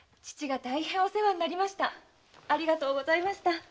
父が大変お世話になりました。